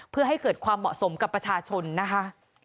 เพื่อให้เกิดความเหมาะสมกับประชาชนนะคะ